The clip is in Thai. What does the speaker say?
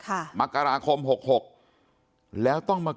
คุณยายบอกว่ารู้สึกเหมือนใครมายืนอยู่ข้างหลัง